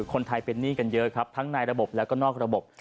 คนไทยเป็นหนี้กันเยอะครับทั้งในระบบแล้วก็นอกระบบ